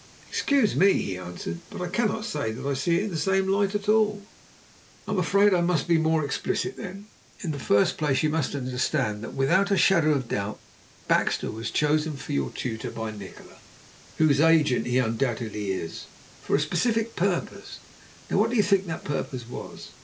"Excuse me," he answered, "but I cannot say that I see it in the same light at all." "I'm afraid I must be more explicit then. In the first place you must understand that, without a shadow of a doubt, Baxter was chosen for your tutor by Nikola, whose agent he undoubtedly is, for a specific purpose. Now what do you think that purpose was?